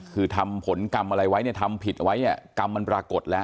คือทำผลกรรมอะไรไว้เนี่ยทำผิดไว้กรรมมันปรากฏแล้ว